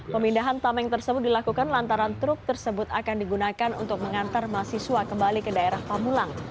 pemindahan tameng tersebut dilakukan lantaran truk tersebut akan digunakan untuk mengantar mahasiswa kembali ke daerah pamulang